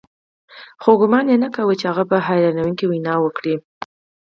خو ګومان یې نه کاوه چې هغه به حیرانوونکې وینا وکړي